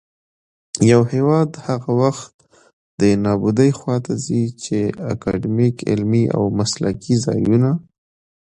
يـو هـېواد هغـه وخـت دې نـابـودۍ خـواته ځـي ،چـې اکـادميـک، عـلمـي او مـسلـکي ځـايـونــه